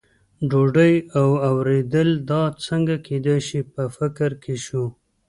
ډوډۍ او ورېدل، دا څنګه کېدای شي، په فکر کې شو.